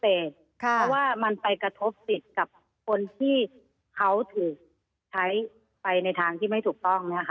เพราะว่ามันไปกระทบสิทธิ์กับคนที่เขาถูกใช้ไปในทางที่ไม่ถูกต้อง